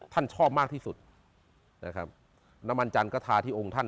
ชอบมากที่สุดนะครับน้ำมันจันทร์ก็ทาที่องค์ท่าน